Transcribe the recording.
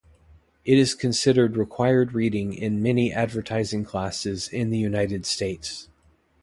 It is considered required reading in many advertising classes in the United States.